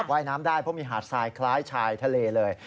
ว่ายน้ำได้เพราะมีหาดทรายคล้ายชายทะเลเลย